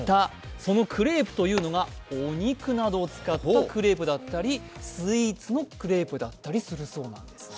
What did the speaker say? そのクレープというのがお肉などを使ったクレープだったりスイーツのクレープだったりするそうです。